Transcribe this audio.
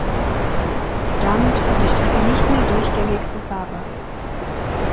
Damit war die Strecke nicht mehr durchgängig befahrbar.